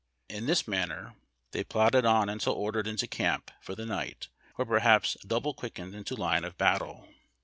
In this manner they plodded on until ordered into camp for the night, or perhaps double quicked into line of battle.